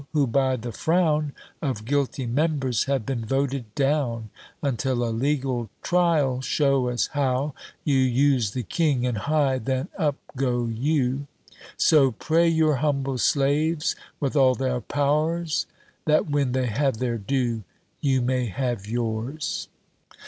_ who by the frown Of guilty members have been voted down, Until a legal trial show us how You used the king, and Heigh then up go you! So pray your humble slaves with all their powers, That when they have their due, you may have yours.